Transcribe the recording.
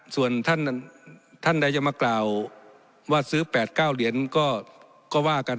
ส่วนท่านใดจะมากล่าวว่าซื้อ๘๙เหรียญก็ว่ากัน